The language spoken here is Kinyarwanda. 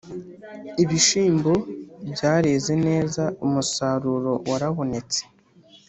Ibishimbo byareze neza umusaruro warabonetse